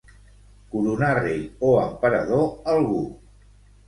Coronar rei o emperador algú.